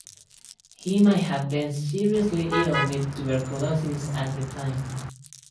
He may have been seriously ill with tuberculosis at the time.